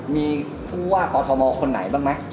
มีผู้ว่ากอทมคนไหนบ้างไหม